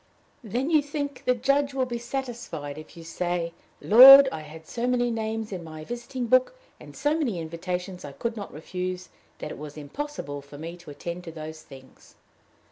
"Then you think the Judge will be satisfied if you say, 'Lord, I had so many names in my visiting book, and so many invitations I could not refuse, that it was impossible for me to attend to those things'?"